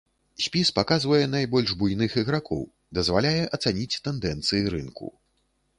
Спіс паказвае найбольш буйных ігракоў, дазваляе ацаніць тэндэнцыі рынку.